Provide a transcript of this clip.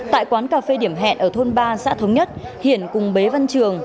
tại quán cà phê điểm hẹn ở thôn ba xã thống nhất hiển cùng bế văn trường